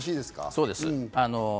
そうです。